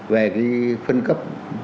về cái phân cấp